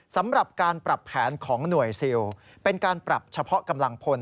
สำหรับการปรับแผนของหน่วยซิลเป็นการปรับเฉพาะกำลังพล